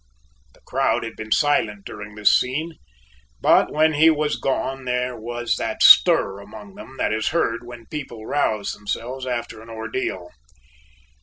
The crowd had been silent during this scene, but when he was gone there was that stir among them that is heard when people rouse themselves after an ordeal.